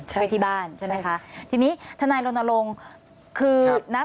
ใช่ค่ะไปที่บ้านใช่ไหมคะใช่ค่ะทีนี้ทนายรณรงค์คือครับ